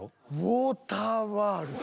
「ウォーターワールド」。